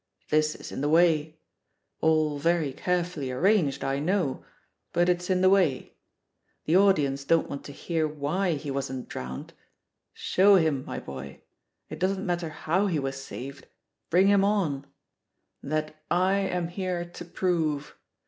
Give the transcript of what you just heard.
This is in the way I All very care fully arranged, I know, but it's in the way. The audience don't want to hear why he wasn't drowned. Show him, my boy; it doesn't matter how he was saved, bring him on: *That I am here to prove